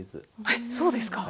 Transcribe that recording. えっそうですか！